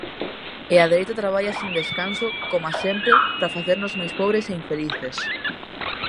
E a dereita traballa sen descanso, coma sempre, pra facernos máis pobres e infelices.